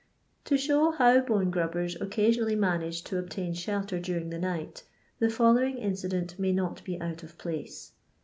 To show how bone grabbers occasionaUy aianage to obtain shelter during the night, the following incident may not be out of pboe.